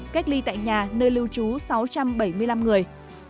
cách ly tại nhà nơi lưu trú sáu trăm bảy mươi năm người